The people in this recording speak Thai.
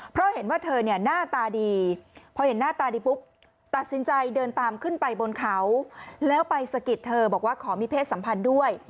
เพราะเห็นว่าเธอเนี่ยหน้าตาดีพอเห็นหน้าตาดีปุ๊บตัดสินใจเดินตามขึ้นไปบนเขาแล้วไปสะกิดเธอบอกว่าขอมีเพศสัมพันธ์ด้วย